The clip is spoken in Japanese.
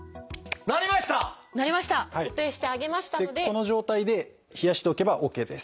この状態で冷やしておけばＯＫです。